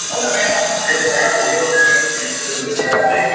Tenga pembeni matembele yako